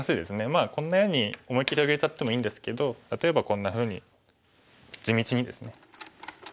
まあこんなように思い切り上げちゃってもいいんですけど例えばこんなふうに地道にですね